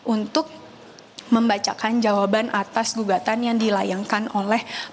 untuk membacakan jawaban atas gugatan yang dilayangkan oleh